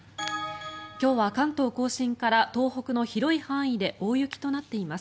今日は関東・甲信から東北の広い範囲で大雪となっています。